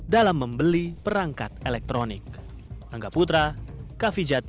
dalam membeli perangkat elektronik